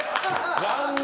残念！